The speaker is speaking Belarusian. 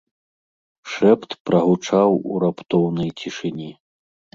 Шэпт прагучаў у раптоўнай цішыні.